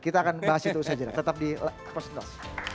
kita akan bahas itu saja tetap di purs